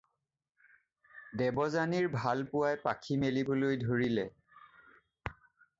দেৱযানীৰ ভালপোৱাই পাখি মেলিবলৈ ধৰিলে।